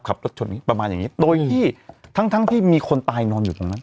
ขับรถชนอย่างนี้ประมาณอย่างนี้โดยที่ทั้งทั้งที่มีคนตายนอนอยู่ตรงนั้น